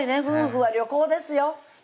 夫婦は旅行ですよ！